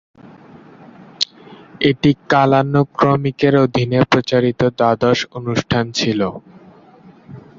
এটি কালানুক্রমিকের অধীনে প্রচারিত দ্বাদশ অনুষ্ঠান ছিল।